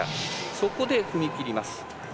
そこで踏み切ります。